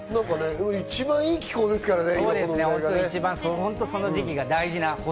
今、一番いい気候ですからね。